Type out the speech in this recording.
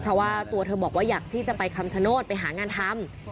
เพราะว่าตัวเธอบอกว่าอยากที่จะไปคำชโนธไปหางานทำ